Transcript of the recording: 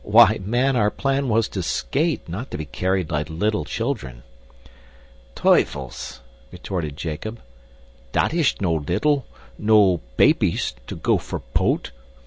"Why, man, our plan was to SKATE, not to be carried like little children." "Tuyfels!" retorted Jacob. "Dat ish no little no papies to go for poat!"